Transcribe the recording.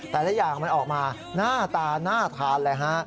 แต่ละอย่างมันออกมาหน้าตาน่าทานเลยฮะ